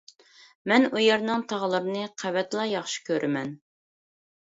مەن ئۇ يەرنىڭ تاغلىرىنى قەۋەتلا ياخشى كۆرىمەن.